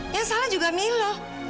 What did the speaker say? yang salah juga milo